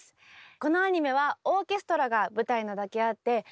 このアニメはオーケストラが舞台なだけあってどうぞ！